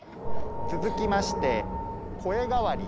続きまして「声変わり」。